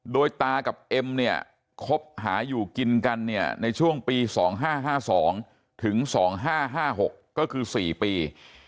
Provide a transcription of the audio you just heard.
โดยตากับเอ็มเนี่ยคบหาอยู่กินกันเนี่ยในช่วงปี๒๕๕๒ถึง๒๕๕๖ก็คือ๔ปี